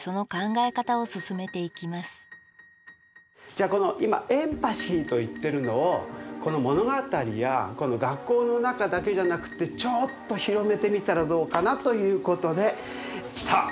じゃあこの今エンパシーと言ってるのをこの物語や学校の中だけじゃなくてちょっと広めてみたらどうかなということできた！